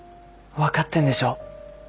分かってんでしょ。